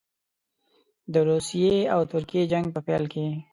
د روسیې او ترکیې جنګ په پیل کې.